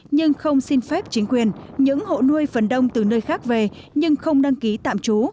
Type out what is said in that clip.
nhưng không xin phép chính quyền những hộ nuôi phần đông từ nơi khác về nhưng không đăng ký tạm trú